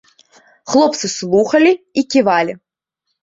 Хлопцы слухалі і ківалі.